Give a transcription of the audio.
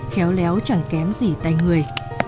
khéo léo chẳng kém gì tay người